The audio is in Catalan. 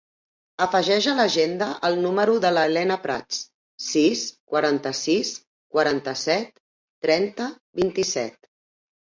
Afegeix a l'agenda el número de la Helena Prats: sis, quaranta-sis, quaranta-set, trenta, vint-i-set.